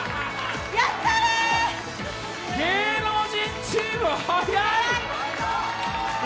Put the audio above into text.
芸能人チーム速い！